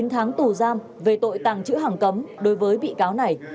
chín tháng tù giam về tội tàng chữ hàng cấm đối với bị cáo này